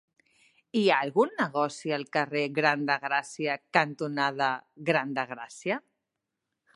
Hi ha algun negoci al carrer Gran de Gràcia cantonada Gran de Gràcia?